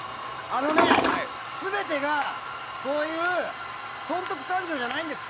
あのね、全てがそういう損得勘定じゃないんです。